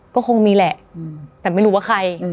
ก็คงมีแหละแต่ไม่รู้ว่าใคร